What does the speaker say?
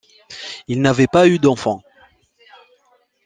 Il n'avait pas eu d'enfants.